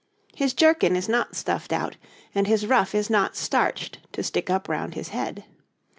His jerkin is not stuffed out, and his ruff is not starched to stick up round his head.